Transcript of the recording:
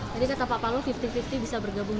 jadi kata pak kalo lima puluh lima puluh bisa bergabung